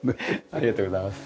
ありがとうございます。